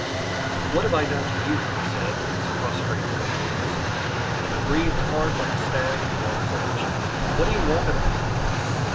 "What have I done to you?" he said, in his prostrate helplessness, and he breathed hard like a stag at the water's edge. "What do you want of me?"